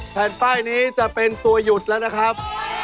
แผ่นป้ายนี้จะเป็นตัวหยุดแล้วนะครับ